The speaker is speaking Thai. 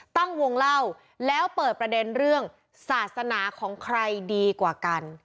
ตั้งวงเล่าแล้วเปิดประเด็นเรื่องศาสนาของใครดีกว่ากัน